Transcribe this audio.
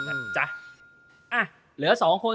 อ่ะเหลือ๒คน